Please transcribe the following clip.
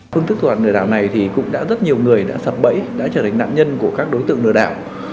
phương tức thuận lừa đảo này thì cũng đã rất nhiều người đã sập bẫy đã trở thành nạn nhân của các đối tượng lừa đảo